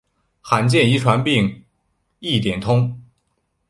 罕见遗传疾病一点通